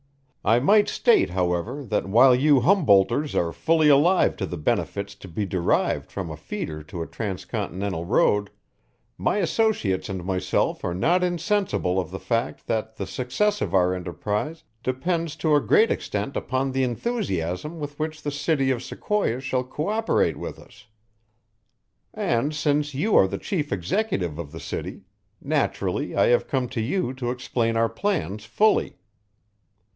I might state, however, that while you Humboldters are fully alive to the benefits to be derived from a feeder to a transcontinental road, my associates and myself are not insensible of the fact that the success of our enterprise depends to a great extent upon the enthusiasm with which the city of Sequoia shall cooperate with us; and since you are the chief executive of the city, naturally I have come to you to explain our plans fully."